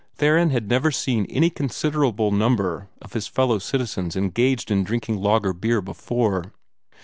Theron had never seen any considerable number of his fellow citizens engaged in drinking lager beer before.